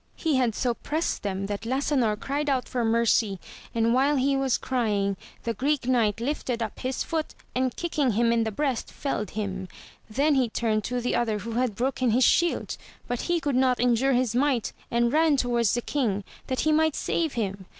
he had so prest them that Lasanor cried out for fmercy, and while he was cr3ring, the Greek Knight lifted up his foot and kick ing him in the breast, felled him ; then he turned to the other who had broken his shield, but he could not endure his might and ran towards the king that he might save him.